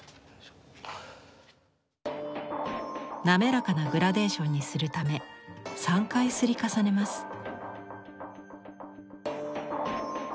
滑らかなグラデーションにするため３回摺り重ねます。